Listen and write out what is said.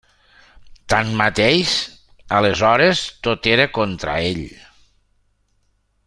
Tanmateix, aleshores, tot era contra ell.